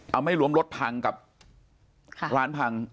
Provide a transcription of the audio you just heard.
เอาไม่รวมรถพังกับร้านพัง